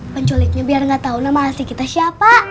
penculiknya biar gatau nama asli kita siapa